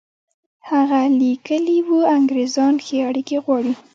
هغه لیکلي وو انګرېزان ښې اړیکې غواړي.